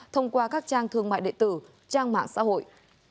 thông qua các trang thương mại đệ tử trang mạng xã hội